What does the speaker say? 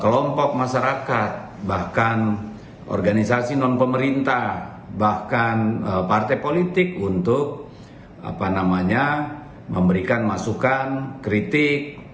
kelompok masyarakat bahkan organisasi non pemerintah bahkan partai politik untuk memberikan masukan kritik